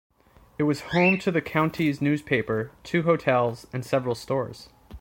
It was home to the County's newspaper, two hotels and several stores.